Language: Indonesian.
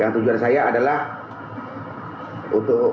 untuk apabila menemukan masa tandingan